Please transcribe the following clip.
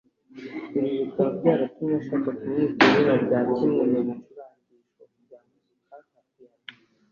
ibi bikaba byaratumye ashaka kumwita izina rya kimwe mu bicurangisho bya muzika nka Piano